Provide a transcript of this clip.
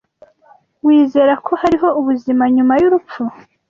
Wizera ko hariho ubuzima nyuma y'urupfu?